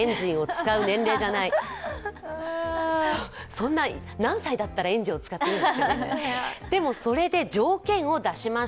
そんな何歳だったらエンジンを使ったらいいの。